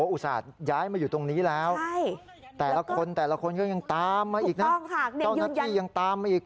อุตส่าห์ย้ายมาอยู่ตรงนี้แล้วแต่ละคนแต่ละคนก็ยังตามมาอีกนะเจ้าหน้าที่ยังตามมาอีก